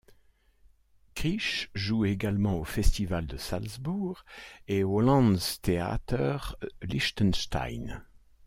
Krisch joue également au Festival de Salzbourg et au Landestheater Liechtenstein.